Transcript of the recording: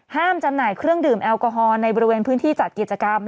จำหน่ายเครื่องดื่มแอลกอฮอล์ในบริเวณพื้นที่จัดกิจกรรม